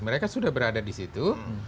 mereka sudah berada di situ